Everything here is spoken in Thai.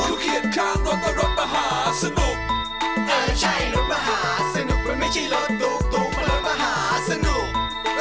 เขียนข้างรถก็รถมหาสนุกเออใช่รถมหาสนุกมันไม่ใช่รถตุ๊กรถมหาสนุก